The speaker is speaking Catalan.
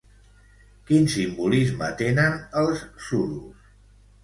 Quin simbolisme tenen els suros?